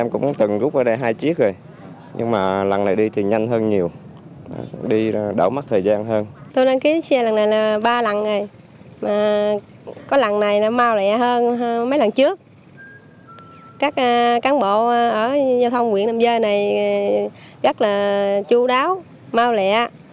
các đơn vị huyện đầm rơi này rất là chú đáo mau lẹ